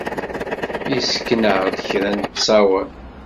Yessken-aɣ-d kra n ttṣawer.